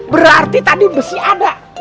berarti tadi besi ada